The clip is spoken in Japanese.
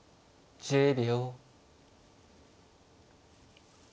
１０秒。